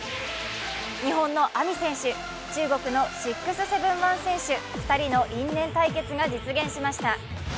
日本のＡＭＩ選手、中国の６７１選手、２人の因縁対決が実現しました。